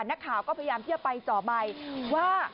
นักข่าวก็พยายามเชื่อไปจ่อใบว่า